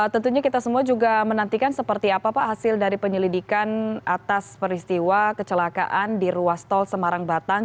tentunya kita semua juga menantikan seperti apa pak hasil dari penyelidikan atas peristiwa kecelakaan di ruas tol semarang batang